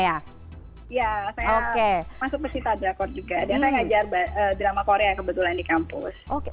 ya saya masuk pesita drakor juga dan saya ngajar drama korea kebetulan di kampus